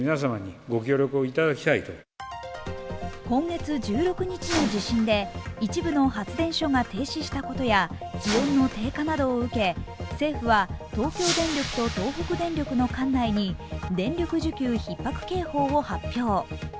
今月１６日の地震で一部の発電所が停止したことや気温の低下などを受け、政府は東京電力と東北電力の管内に電力需給ひっ迫警報を発表。